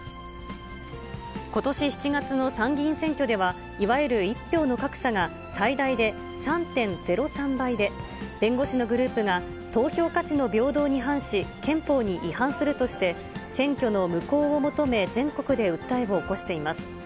ことし７月の参議院選挙では、いわゆる１票の格差が最大で３．０３倍で、弁護士のグループが投票価値の平等に反し、憲法に違反するとして、選挙の無効を求め全国で訴えを起こしています。